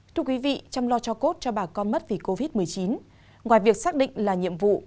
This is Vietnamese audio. thưa quý vị chăm lo cho cốt cho bà con mất vì covid một mươi chín ngoài việc xác định là nhiệm vụ